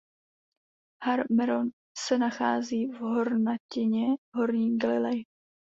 Har Meron se nachází v hornatině Horní Galileji.